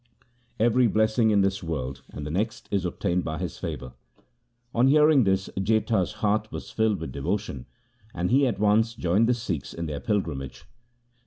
Every blessing in this world and the next is obtained by his favour.' On hearing this Jetha's heart was filled with devotion, and he at once joined the Sikhs in their pilgrimage.